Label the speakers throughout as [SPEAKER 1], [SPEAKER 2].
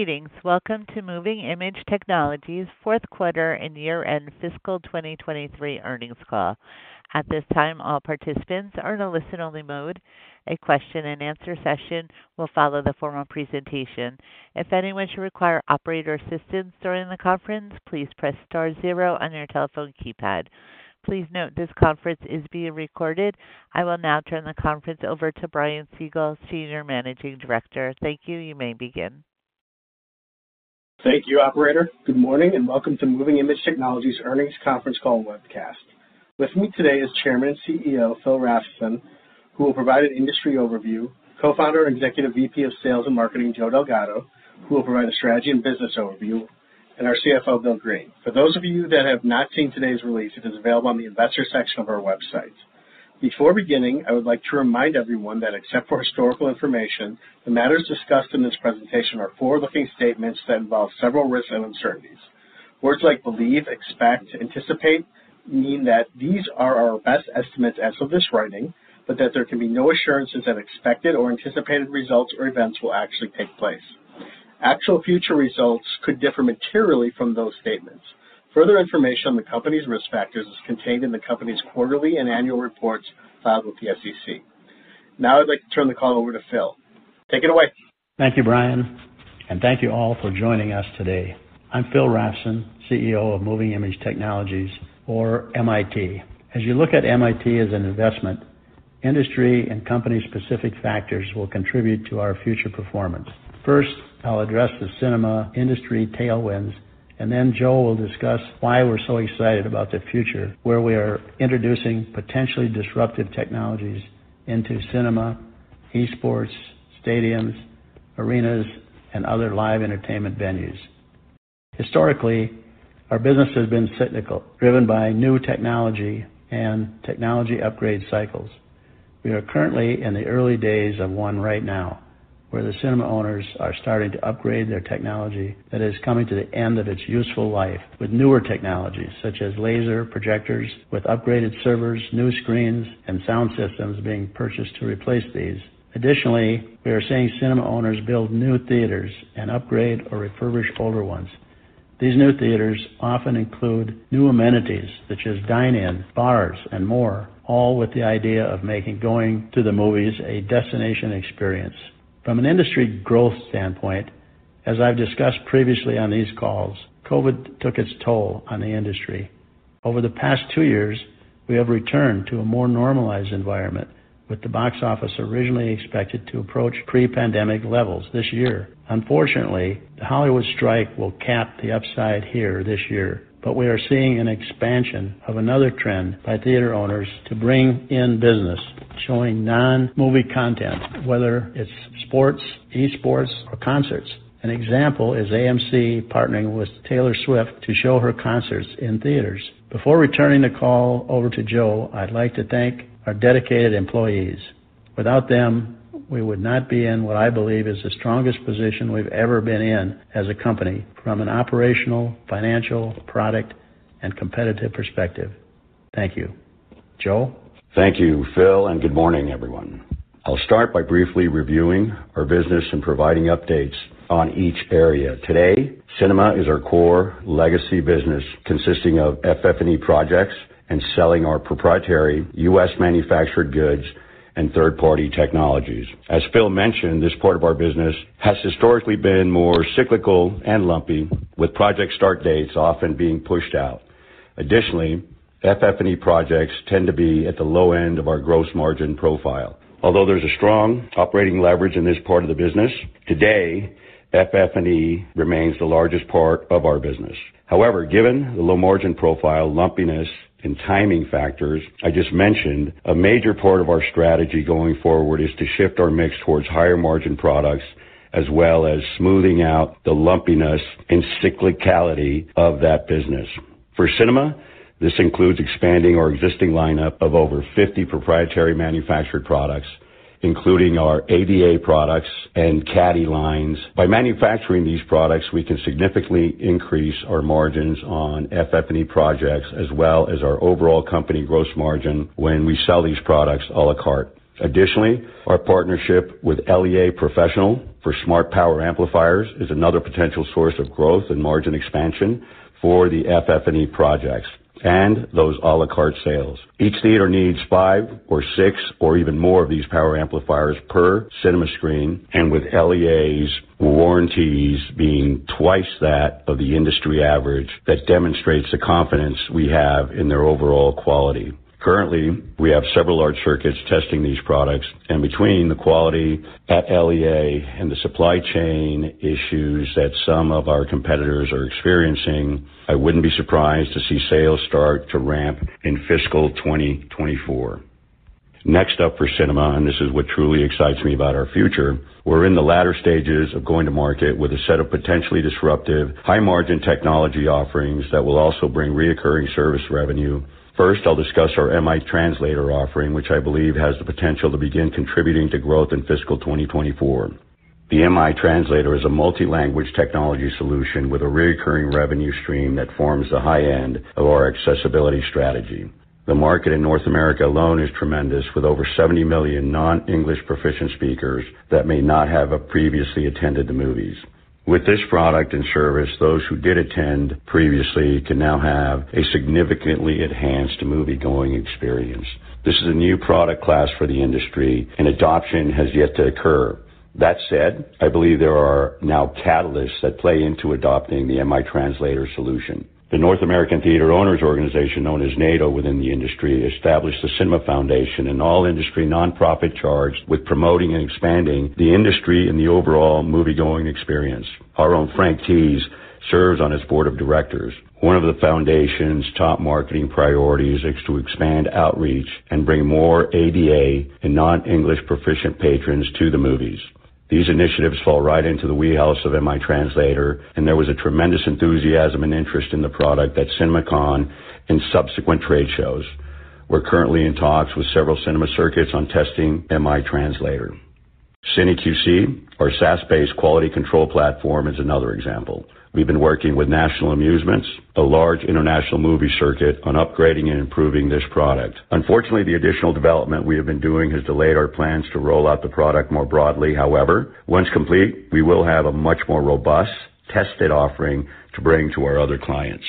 [SPEAKER 1] Greetings. Welcome to Moving iMage Technologies' Fourth Quarter and Year-End Fiscal 2023 Earnings Call. At this time, all participants are in a listen-only mode. A question-and-answer session will follow the formal presentation. If anyone should require operator assistance during the conference, please press star zero on your telephone keypad. Please note this conference is being recorded. I will now turn the conference over to Brian Siegel, Senior Managing Director. Thank you. You may begin.
[SPEAKER 2] Thank you, operator. Good morning, and welcome to Moving iMage Technologies earnings conference call webcast. With me today is Chairman and CEO, Phil Rafnson, who will provide an industry overview, Co-founder and Executive VP of Sales and Marketing, Joe Delgado, who will provide a strategy and business overview, and our CFO, Bill Greene. For those of you that have not seen today's release, it is available on the investor section of our website. Before beginning, I would like to remind everyone that except for historical information, the matters discussed in this presentation are forward-looking statements that involve several risks and uncertainties. Words like believe, expect, anticipate, mean that these are our best estimates as of this writing, but that there can be no assurances that expected or anticipated results or events will actually take place. Actual future results could differ materially from those statements. Further information on the company's risk factors is contained in the company's quarterly and annual reports filed with the SEC. Now, I'd like to turn the call over to Phil. Take it away.
[SPEAKER 3] Thank you, Brian, and thank you all for joining us today. I'm Phil Rafnson, CEO of Moving iMage Technologies or MIT. As you look at MIT as an investment, industry and company-specific factors will contribute to our future performance. First, I'll address the cinema industry tailwinds, and then Joe will discuss why we're so excited about the future, where we are introducing potentially disruptive technologies into cinema, e-sports, stadiums, arenas, and other live entertainment venues. Historically, our business has been cyclical, driven by new technology and technology upgrade cycles. We are currently in the early days of one right now, where the cinema owners are starting to upgrade their technology that is coming to the end of its useful life with newer technologies such as laser projectors, with upgraded servers, new screens, and sound systems being purchased to replace these. Additionally, we are seeing cinema owners build new theaters and upgrade or refurbish older ones. These new theaters often include new amenities such as dine-in, bars, and more, all with the idea of making going to the movies a destination experience. From an industry growth standpoint, as I've discussed previously on these calls, COVID took its toll on the industry. Over the past two years, we have returned to a more normalized environment, with the box office originally expected to approach pre-pandemic levels this year. Unfortunately, the Hollywood strike will cap the upside here this year, but we are seeing an expansion of another trend by theater owners to bring in business, showing non-movie content, whether it's sports, e-sports, or concerts. An example is AMC partnering with Taylor Swift to show her concerts in theaters. Before returning the call over to Joe, I'd like to thank our dedicated employees. Without them, we would not be in what I believe is the strongest position we've ever been in as a company from an operational, financial, product, and competitive perspective. Thank you. Joe?
[SPEAKER 4] Thank you, Phil, and good morning, everyone. I'll start by briefly reviewing our business and providing updates on each area. Today, cinema is our core legacy business, consisting of FF&E projects and selling our proprietary U.S.-manufactured goods and third-party technologies. As Phil mentioned, this part of our business has historically been more cyclical and lumpy, with project start dates often being pushed out. Additionally, FF&E projects tend to be at the low end of our gross margin profile. Although there's a strong operating leverage in this part of the business, today, FF&E remains the largest part of our business. However, given the low margin profile, lumpiness, and timing factors I just mentioned, a major part of our strategy going forward is to shift our mix towards higher margin products, as well as smoothing out the lumpiness and cyclicality of that business. For cinema, this includes expanding our existing lineup of over 50 proprietary manufactured products, including our ADA products and Caddy lines. By manufacturing these products, we can significantly increase our margins on FF&E projects, as well as our overall company gross margin when we sell these products à la carte. Additionally, our partnership with LEA Professional for smart power amplifiers is another potential source of growth and margin expansion for the FF&E projects and those à la carte sales. Each theater needs five or six or even more of these power amplifiers per cinema screen, and with LEA's warranties being twice that of the industry average, that demonstrates the confidence we have in their overall quality. Currently, we have several large circuits testing these products, and between the quality at LEA and the supply chain issues that some of our competitors are experiencing, I wouldn't be surprised to see sales start to ramp in fiscal 2024. Next up for cinema, and this is what truly excites me about our future, we're in the latter stages of going to market with a set of potentially disruptive, high-margin technology offerings that will also bring recurring service revenue. First, I'll discuss our MiTranslator offering, which I believe has the potential to begin contributing to growth in fiscal 2024. The MiTranslator is a multi-language technology solution with a recurring revenue stream that forms the high end of our accessibility strategy. The market in North America alone is tremendous, with over 70 million non-English proficient speakers that may not have previously attended the movies. With this product and service, those who did attend previously can now have a significantly enhanced moviegoing experience. This is a new product class for the industry, and adoption has yet to occur. That said, I believe there are now catalysts that play into adopting the MiTranslator solution. The North American Theater Owners Organization, known as NATO within the industry, established the Cinema Foundation, an all-industry nonprofit charged with promoting and expanding the industry and the overall moviegoing experience. Our own Frank Tees serves on its board of directors. One of the foundation's top marketing priorities is to expand outreach and bring more ADA and non-English proficient patrons to the movies. These initiatives fall right into the wheelhouse of MiTranslator, and there was a tremendous enthusiasm and interest in the product at CinemaCon and subsequent trade shows. We're currently in talks with several cinema circuits on testing MiTranslator. CineQC, our SaaS-based quality control platform, is another example. We've been working with National Amusements, a large international movie circuit, on upgrading and improving this product. Unfortunately, the additional development we have been doing has delayed our plans to roll out the product more broadly. However, once complete, we will have a much more robust, tested offering to bring to our other clients.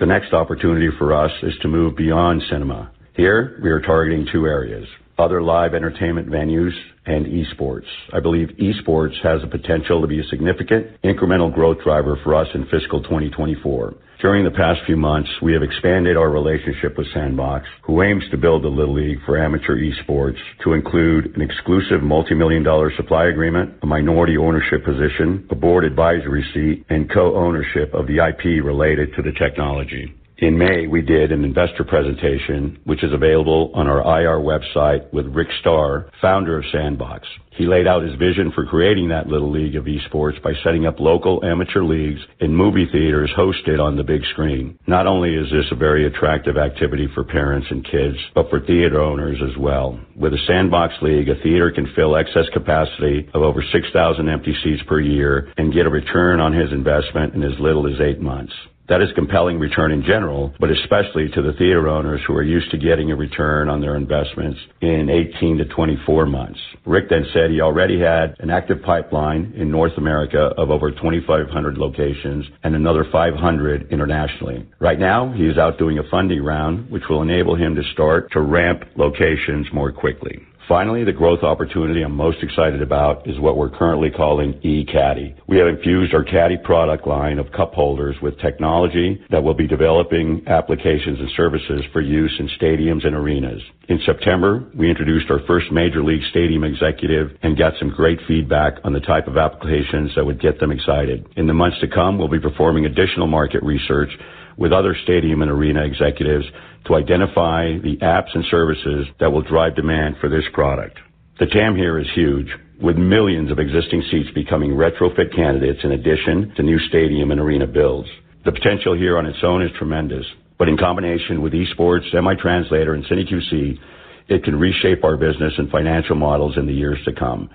[SPEAKER 4] The next opportunity for us is to move beyond cinema. Here, we are targeting two areas: other live entertainment venues and eSports. I believe eSports has the potential to be a significant incremental growth driver for us in fiscal 2024. During the past few months, we have expanded our relationship with Sandbox, who aims to build a little league for amateur eSports, to include an exclusive multimillion-dollar supply agreement, a minority ownership position, a board advisory seat, and co-ownership of the IP related to the technology. In May, we did an investor presentation, which is available on our IR website with Rick Starr, founder of Sandbox. He laid out his vision for creating that little league of eSports by setting up local amateur leagues in movie theaters hosted on the big screen. Not only is this a very attractive activity for parents and kids, but for theater owners as well. With a Sandbox league, a theater can fill excess capacity of over 6,000 empty seats per year and get a return on his investment in as little as eight months. That is a compelling return in general, but especially to the theater owners who are used to getting a return on their investments in 18-24 months. Rick then said he already had an active pipeline in North America of over 2,500 locations and another 500 internationally. Right now, he is out doing a funding round, which will enable him to start to ramp locations more quickly. Finally, the growth opportunity I'm most excited about is what we're currently calling eCaddy. We have infused our Caddy product line of cup holders with technology that will be developing applications and services for use in stadiums and arenas. In September, we introduced our first Major League stadium executive and got some great feedback on the type of applications that would get them excited. In the months to come, we'll be performing additional market research with other stadium and arena executives to identify the apps and services that will drive demand for this product. The TAM here is huge, with millions of existing seats becoming retrofit candidates in addition to new stadium and arena builds. The potential here on its own is tremendous, but in combination with eSports, MiTranslator, and CineQC, it can reshape our business and financial models in the years to come.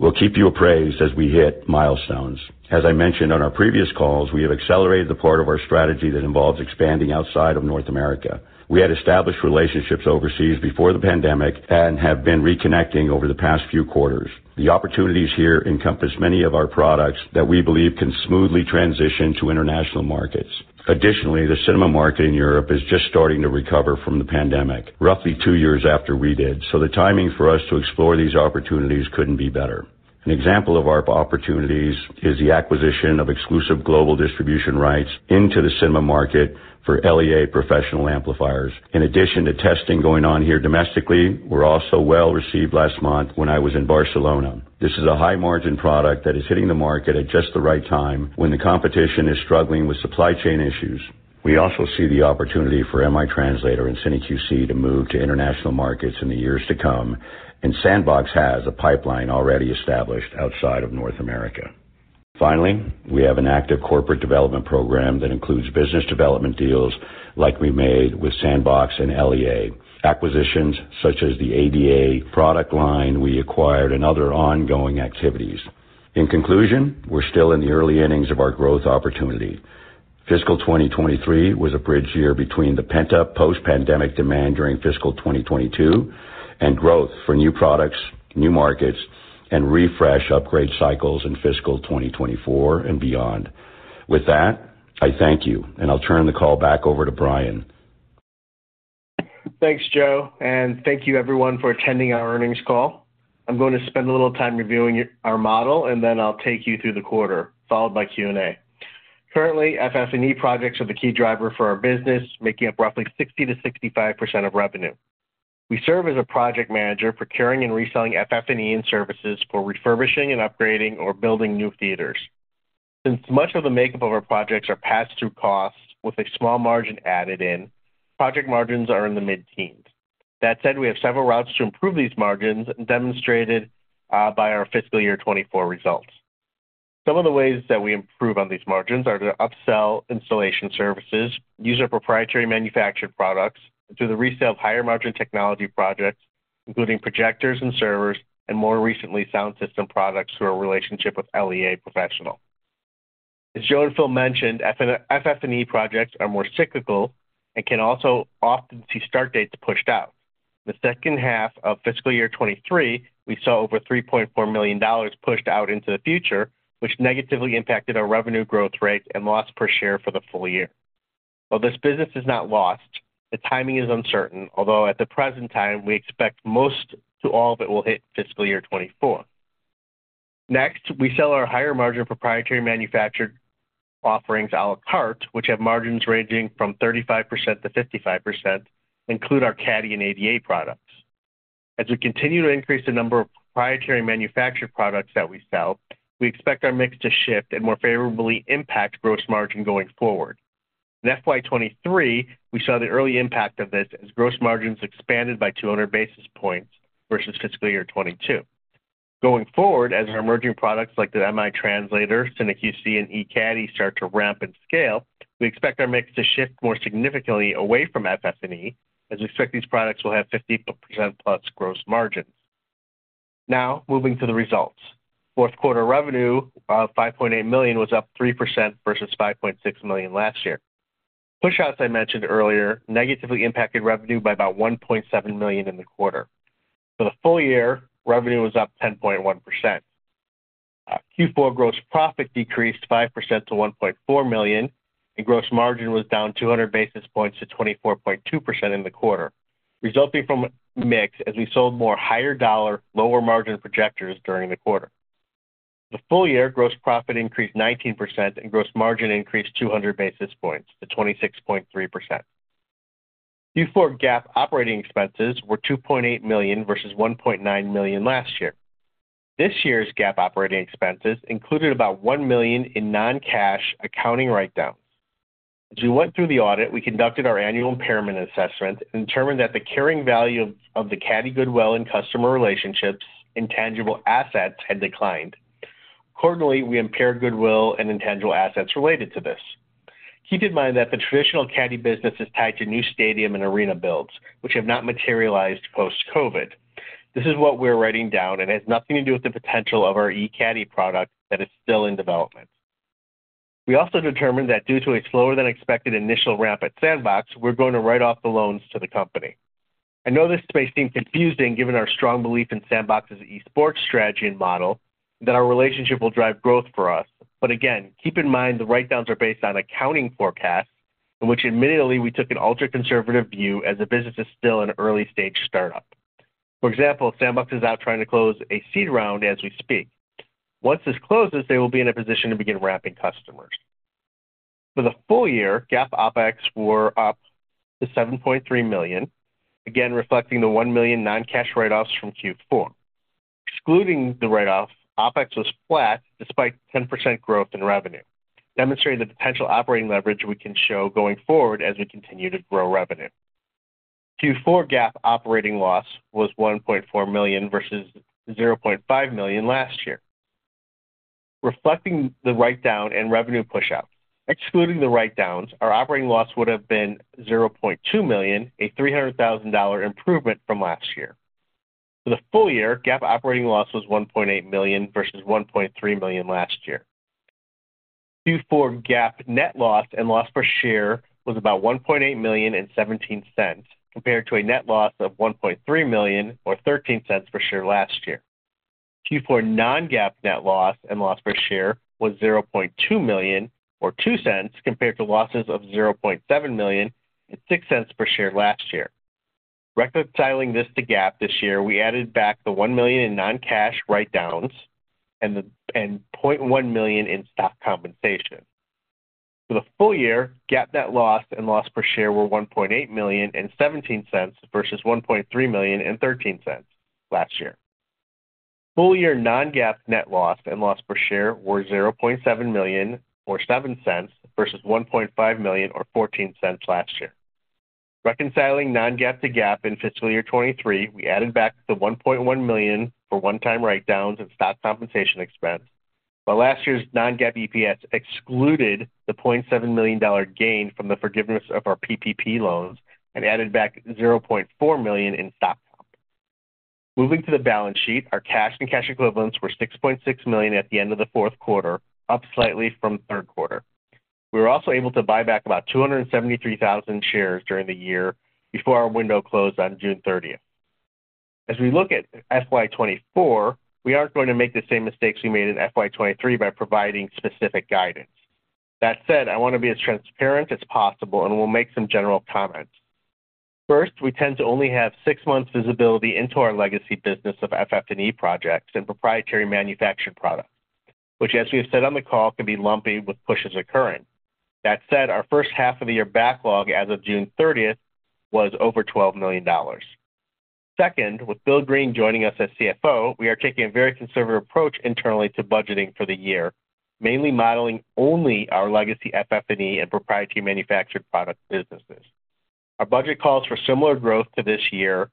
[SPEAKER 4] We'll keep you appraised as we hit milestones. As I mentioned on our previous calls, we have accelerated the part of our strategy that involves expanding outside of North America. We had established relationships overseas before the pandemic and have been reconnecting over the past few quarters. The opportunities here encompass many of our products that we believe can smoothly transition to international markets. Additionally, the cinema market in Europe is just starting to recover from the pandemic, roughly two years after we did, so the timing for us to explore these opportunities couldn't be better. An example of our opportunities is the acquisition of exclusive global distribution rights into the cinema market for LEA Professional amplifiers. In addition to testing going on here domestically, we're also well received last month when I was in Barcelona. This is a high-margin product that is hitting the market at just the right time, when the competition is struggling with supply chain issues. We also see the opportunity for MiTranslator and CineQC to move to international markets in the years to come, and Sandbox has a pipeline already established outside of North America. Finally, we have an active corporate development program that includes business development deals like we made with Sandbox and LEA. Acquisitions such as the ADA product line we acquired and other ongoing activities. In conclusion, we're still in the early innings of our growth opportunity. Fiscal 2023 was a bridge year between the pent-up post-pandemic demand during fiscal 2022, and growth for new products, new markets, and refresh upgrade cycles in fiscal 2024 and beyond. With that, I thank you, and I'll turn the call back over to Brian.
[SPEAKER 5] Thanks, Joe, and thank you everyone for attending our earnings call. I'm going to spend a little time reviewing our model, and then I'll take you through the quarter, followed by Q&A. Currently, FF&E projects are the key driver for our business, making up roughly 60%-65% of revenue. We serve as a project manager, procuring and reselling FF&E and services for refurbishing and upgrading or building new theaters. Since much of the makeup of our projects are passed through costs with a small margin added in, project margins are in the mid-teens. That said, we have several routes to improve these margins, demonstrated by our fiscal year 2024 results. Some of the ways that we improve on these margins are to upsell installation services, use our proprietary manufactured products, through the resale of higher-margin technology projects, including projectors and servers, and more recently, sound system products through our relationship with LEA Professional. As Joe and Phil mentioned, FF&E projects are more cyclical and can also often see start dates pushed out. The second half of fiscal year 2023, we saw over $3.4 million pushed out into the future, which negatively impacted our revenue growth rate and loss per share for the full year. While this business is not lost, the timing is uncertain, although at the present time, we expect most to all of it will hit fiscal year 2024. Next, we sell our higher margin proprietary manufactured offerings a la carte, which have margins ranging from 35%-55%, include our Caddy and ADA products. As we continue to increase the number of proprietary manufactured products that we sell, we expect our mix to shift and more favorably impact gross margin going forward. In FY 2023, we saw the early impact of this as gross margins expanded by 200 basis points versus fiscal year 2022. Going forward, as our emerging products like the MiTranslator, CineQC, and eCaddy start to ramp and scale, we expect our mix to shift more significantly away from FF&E, as we expect these products will have 50%+ gross margins. Now, moving to the results. Fourth quarter revenue of $5.8 million was up 3% versus $5.6 million last year. Pushouts, I mentioned earlier, negatively impacted revenue by about $1.7 million in the quarter. For the full year, revenue was up 10.1%. Q4 gross profit decreased 5% to $1.4 million, and gross margin was down 200 basis points to 24.2% in the quarter, resulting from mix as we sold more higher dollar, lower margin projectors during the quarter. The full year gross profit increased 19% and gross margin increased 200 basis points to 26.3%. Q4 GAAP operating expenses were $2.8 million versus $1.9 million last year. This year's GAAP operating expenses included about $1 million in non-cash accounting write-downs. As we went through the audit, we conducted our annual impairment assessment and determined that the carrying value of the Caddy goodwill and customer relationships intangible assets had declined. Accordingly, we impaired goodwill and intangible assets related to this. Keep in mind that the traditional Caddy business is tied to new stadium and arena builds, which have not materialized post-COVID. This is what we're writing down, and it has nothing to do with the potential of our eCaddy product that is still in development. We also determined that due to a slower than expected initial ramp at Sandbox, we're going to write off the loans to the company. I know this may seem confusing given our strong belief in Sandbox's esports strategy and model, that our relationship will drive growth for us. But again, keep in mind the write-downs are based on accounting forecasts, in which admittedly, we took an ultra-conservative view as the business is still an early-stage start-up. For example, Sandbox is out trying to close a seed round as we speak. Once this closes, they will be in a position to begin ramping customers. For the full year, GAAP OpEx were up to $7.3 million, again, reflecting the $1 million non-cash write-offs from Q Four. Excluding the write-off, OpEx was flat despite 10% growth in revenue, demonstrating the potential operating leverage we can show going forward as we continue to grow revenue. Q Four GAAP operating loss was $1.4 million versus $0.5 million last year, reflecting the write-down and revenue pushout. Excluding the write-downs, our operating loss would have been $0.2 million, a $300,000 improvement from last year. For the full year, GAAP operating loss was $1.8 million versus $1.3 million last year. Q4 GAAP net loss and loss per share was about $1.8 million and $0.17, compared to a net loss of $1.3 million or $0.13 per share last year. Q4 non-GAAP net loss and loss per share was $0.2 million, or $0.02, compared to losses of $0.7 million and $0.06 per share last year. Reconciling this to GAAP this year, we added back the $1 million in non-cash write-downs and $0.1 million in stock compensation. For the full year, GAAP net loss and loss per share were $1.8 million and $0.17 versus $1.3 million and $0.13 last year. Full year non-GAAP net loss and loss per share were $0.7 million, or $0.07, versus $1.5 million or $0.14 last year. Reconciling non-GAAP to GAAP in fiscal year 2023, we added back the $1.1 million for one-time write-downs and stock compensation expense. While last year's non-GAAP EPS excluded the $0.7 million dollar gain from the forgiveness of our PPP loans and added back $0.4 million in stock. Moving to the balance sheet, our cash and cash equivalents were $6.6 million at the end of the fourth quarter, up slightly from third quarter. We were also able to buy back about 273,000 shares during the year before our window closed on June 30th. As we look at FY 2024, we aren't going to make the same mistakes we made in FY 2023 by providing specific guidance. That said, I want to be as transparent as possible, and we'll make some general comments. First, we tend to only have six months visibility into our legacy business of FF&E projects and proprietary manufactured products, which, as we have said on the call, can be lumpy with pushes occurring. That said, our first half of the year backlog as of June 30th was over $12 million. Second, with Bill Greene joining us as CFO, we are taking a very conservative approach internally to budgeting for the year, mainly modeling only our legacy FF&E and proprietary manufactured product businesses. Our budget calls for similar growth to this year,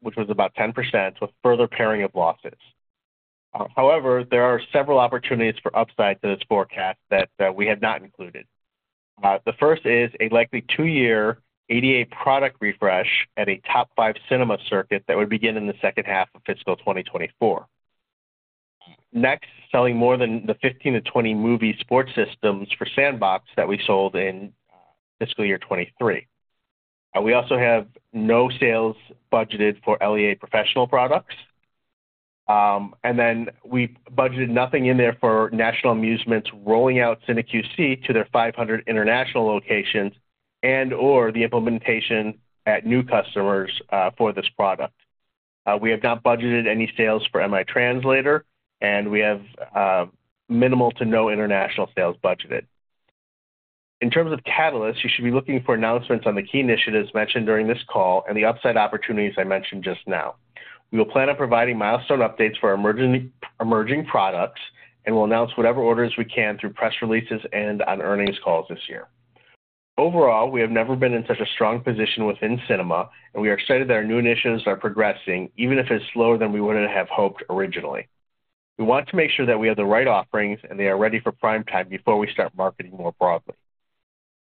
[SPEAKER 5] which was about 10%, with further pairing of losses. However, there are several opportunities for upside to this forecast that we had not included. The first is a likely two-year ADA product refresh at a top five cinema circuit that would begin in the second half of fiscal 2024. Next, selling more than the 15-20 movie sports systems for Sandbox that we sold in fiscal year 2023. We also have no sales budgeted for LEA Professional products. And then we budgeted nothing in there for National Amusements rolling out CineQC to their 500 international locations and or the implementation at new customers for this product. We have not budgeted any sales for MiTranslator, and we have minimal to no international sales budgeted. In terms of catalysts, you should be looking for announcements on the key initiatives mentioned during this call and the upside opportunities I mentioned just now. We will plan on providing milestone updates for our emerging products, and we'll announce whatever orders we can through press releases and on earnings calls this year. Overall, we have never been in such a strong position within cinema, and we are excited that our new initiatives are progressing, even if it's slower than we would have hoped originally. We want to make sure that we have the right offerings and they are ready for prime time before we start marketing more broadly.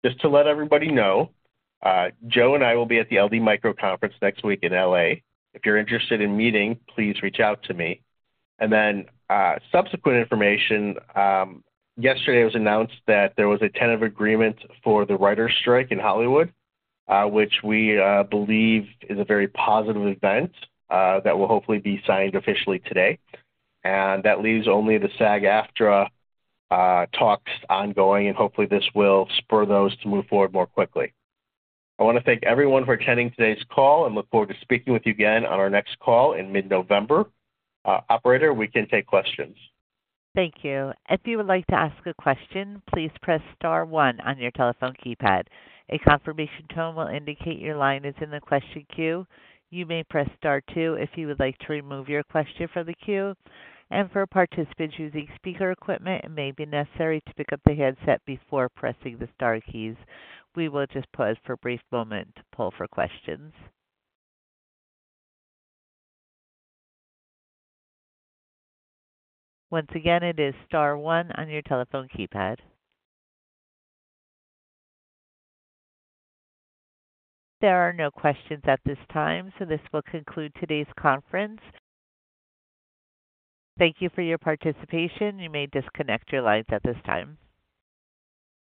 [SPEAKER 5] Just to let everybody know, Joe and I will be at the LD Micro Conference next week in L.A. If you're interested in meeting, please reach out to me. And then, subsequent information, yesterday it was announced that there was a tentative agreement for the writers' strike in Hollywood, which we believe is a very positive event, that will hopefully be signed officially today. And that leaves only the SAG-AFTRA talks ongoing, and hopefully, this will spur those to move forward more quickly. I want to thank everyone for attending today's call and look forward to speaking with you again on our next call in mid-November. Operator, we can take questions.
[SPEAKER 1] Thank you. If you would like to ask a question, please press star one on your telephone keypad. A confirmation tone will indicate your line is in the question queue. You may press star two if you would like to remove your question from the queue. For participants using speaker equipment, it may be necessary to pick up the headset before pressing the star keys. We will just pause for a brief moment to poll for questions. Once again, it is star one on your telephone keypad. There are no questions at this time, so this will conclude today's conference. Thank you for your participation. You may disconnect your lines at this time.